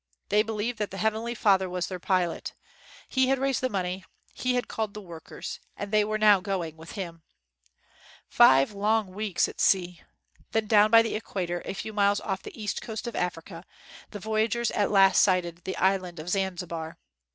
They believed that the Heavenly Father was their pilot. He had raised the money. He had called his work ers, and they were now going with him. Five long weeks at sea! Then down by the equator a few miles off the east coast of Africa, the voyagers at last sighted the island of Zanzibar.